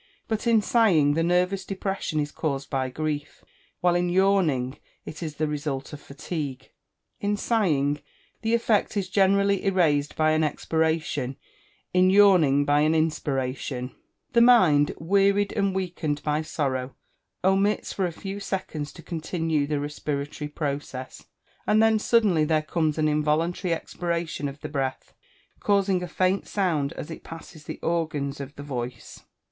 But in sighing, the nervous depression is caused by grief; while in yawning, it is the result of fatigue. In sighing, the effect is generally erased by an expiration in yawning by an inspiration. The mind, wearied and weakened by sorrow, omits for a few seconds to continue the respiratory process; and then suddenly there comes an involuntary expiration of the breath, causing a faint sound as it passes the organs of the voice.